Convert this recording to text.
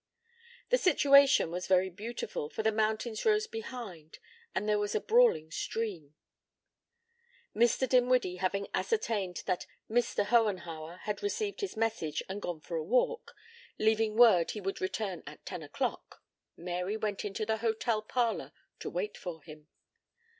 The situation was very beautiful, for the mountains rose behind and there was a brawling stream. Mr. Dinwiddie having ascertained that "Mr." Hohenhauer had received his message and gone for a walk, leaving word he would return at ten o'clock, Mary went into the hotel parlor to wait for him.